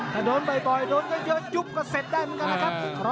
ถ้าโดนบ่อยโดนก็เจ๊าจุ๊บก็เซ็ทได้เหมือนกันนะครับ